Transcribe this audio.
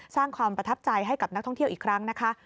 สร้างความประทับใจให้กับนักท่องเที่ยวอีกครั้งนะคะ